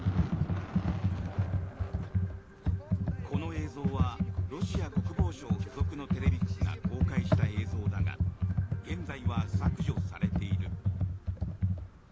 この映像はロシア国防省付属のテレビ局が公開した映像だが現在は削除されている。